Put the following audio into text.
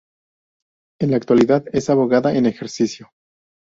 En la actualidad es abogada en ejercicio.